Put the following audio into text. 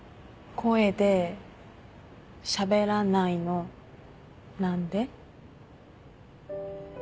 声でしゃべらないの何で？